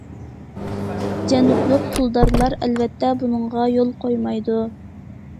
جەنۇبلۇق قۇلدارلار ئەلۋەتتە بۇنىڭغا يول قويمايدۇ.